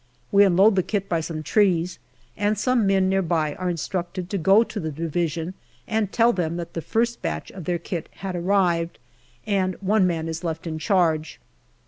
We unload the kit by some trees, and some men near by are instructed to go on to the Division and tell them that the first batch of their kit had arrived, and one man is left in charge.